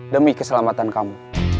demi keselamatan kamu